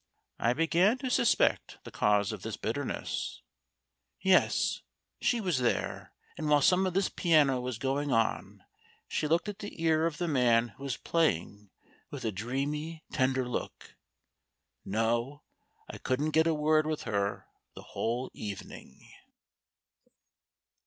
I began to suspect the cause of this bitterness. "Yes. She was there. And while some of this piano was going on she looked at the ear of the man who was playing with a dreamy, tender look.... No. I couldn't get a word with her the whole evening."